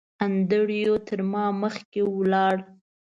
انډریو تر ما مخکې ولاړ.